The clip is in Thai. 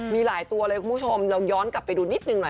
มีหลายตัวเลยคุณผู้ชมเราย้อนกลับไปดูนิดนึงหน่อย